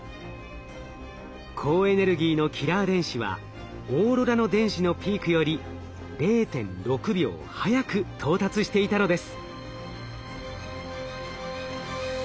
高エネルギーのキラー電子はオーロラの電子のピークより０．６秒早く到達していたのです。